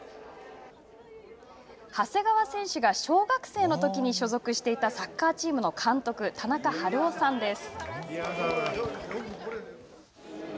長谷川選手が小学生のときに所属していたサッカーチームの監督田中治夫さんです。